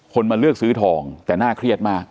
มาเลือกซื้อทองแต่น่าเครียดมาก